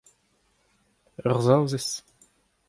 Ur Saozez.